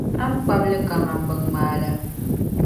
A ni kpabi li kaman biŋŋmaa la.